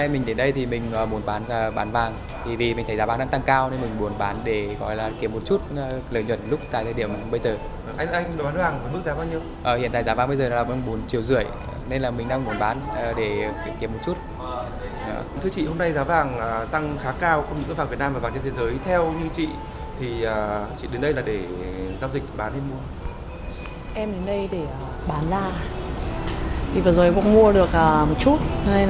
em đến đây để bán ra vì vừa rồi cũng mua được một chút thế nên là thời điểm này nghĩ là mình thu một chút